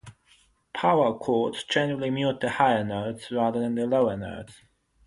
Power chords generally mute the higher notes rather than the lower notes.